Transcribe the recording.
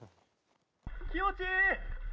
気持ちいい！